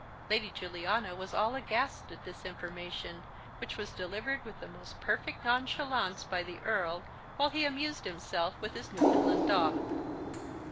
Lady Juliana was all aghast at this information, which was delivered with the most perfect nonchalance by the Earl, while he amused himself with his Newfoundland dog.